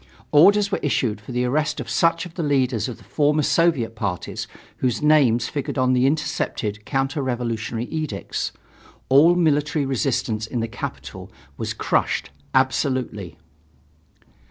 Orders were issued for the arrest of such of the leaders of the former Soviet parties whose names figured on the intercepted counter revolutionary edicts. All military resistance in the capital was crushed absolutely.